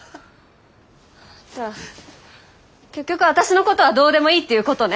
じゃあ結局私のことはどうでもいいっていうことね？